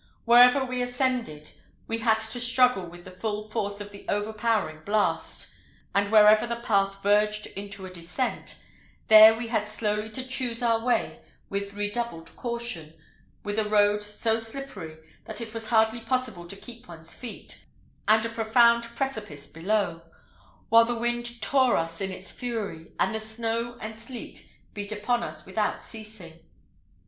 Wherever we ascended, we had to struggle with the full force of the overpowering blast, and wherever the path verged into a descent, there we had slowly to choose our way with redoubled caution, with a road so slippery, that it was hardly possible to keep one's feet, and a profound precipice below; while the wind tore us in its fury, and the snow and sleet beat upon us without ceasing.